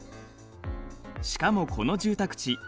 しかもこの住宅地